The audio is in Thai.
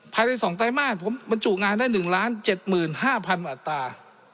ภายใน๒ไตรมาสผมบรรจุงานได้๑๗๕๐๐๐อัตรา